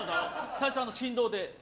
最初、振動で。